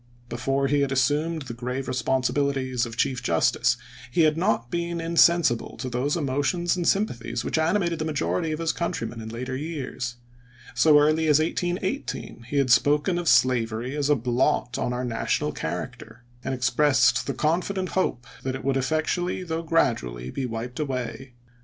Before he had assumed the grave responsibilities of chief justice he had not been insensible to those emotions and sympathies which animated the majority of his countrymen in later years. So early as 1818 he had spoken of slavery as a blot on our national character, and ex VOL. IX.— 25 385 386 ABKAHAM LINCOLN ch. xvii. pressed the confident hope that it would effectually though gradually be wiped away.